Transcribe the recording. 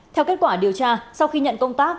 theo kết quả điều tra sau khi nhận công tác